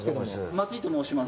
松井と申します。